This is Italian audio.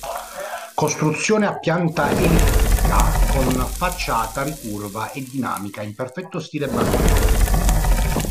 Costruzione a pianta ellittica con facciata ricurva e dinamica, in perfetto stile barocco.